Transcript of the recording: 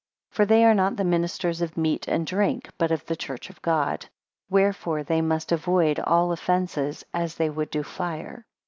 For they are not the ministers of meat and drink, but of the church of God. Wherefore they must avoid all offences, as they would do fire.